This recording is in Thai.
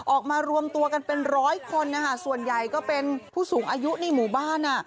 ออกมารวมตัวกันเป็นร้อยคนนะคะส่วนใหญ่ก็เป็นผู้สูงอายุในหมู่บ้าน